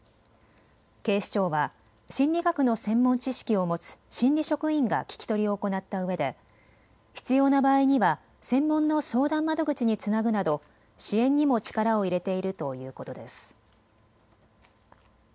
警視庁は心理学の専門知識を持つ心理職員が聞き取りを行ったうえで必要な場合には専門の相談窓口につなぐなど支援にも力を入れているということです。